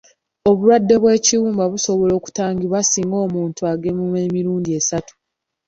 Obulwadde bw'ekibumba busobola okutangirwa singa omuntu agemebwa emirundi esatu